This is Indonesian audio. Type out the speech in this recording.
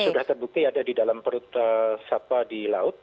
sudah terbukti ada di dalam perut sapa di laut